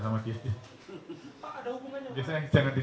kalau tadi peningkatan kewaspadaan itu